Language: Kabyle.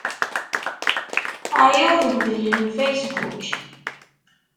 Ɛyiɣ deg udellel n Facebook.